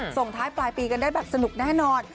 ส่งท้ายปลายปีกันได้แบบสนุกแน่นอน